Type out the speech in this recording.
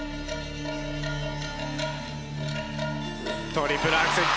トリプルアクセル。